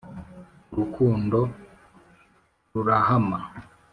uruku ndo rurahama